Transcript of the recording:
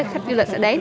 khách du lịch sẽ đến